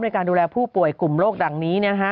ในการดูแลผู้ป่วยกลุ่มโรคดังนี้นะฮะ